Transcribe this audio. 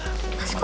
mas kok mau